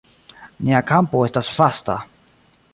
Nia kampo estas vasta.